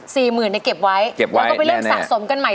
สี่หมื่นไว้เก็บไว้แล้วก็ไปเริ่มสะสมกันใหม่